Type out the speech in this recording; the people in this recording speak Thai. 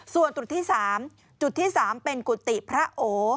ส่วนจุดที่๓จุดที่๓เป็นกุฏิพระโอ